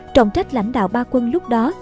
trọng trách lãnh đạo ba quân lúc đó